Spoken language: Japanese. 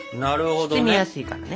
包みやすいからね。